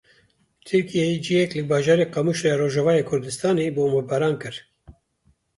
Tirkiyeyê cihek li bajarê Qamişloya Rojavayê Kurdistanê bombebaran kir.